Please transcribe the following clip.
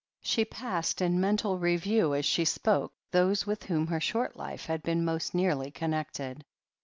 ..." She passed in mental review as she spoke those with whom her short life had been most nearly connected.